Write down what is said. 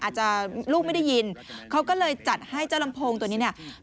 อาจจะลูกไม่ได้ยินเขาก็เลยจัดให้เจ้าลำโพงตัวนี้เนี่ย